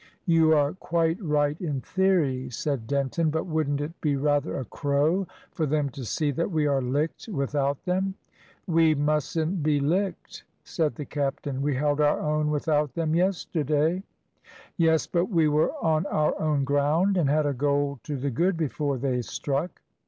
"You are quite right in theory," said Denton; "but wouldn't it be rather a crow for them to see that we are licked without them?" "We mustn't be licked," said the captain. "We held our own without them yesterday." "Yes; but we were on our own ground, and had a goal to the good before they struck."